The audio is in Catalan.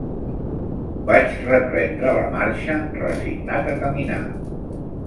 Vaig reprendre la marxa, resignat a caminar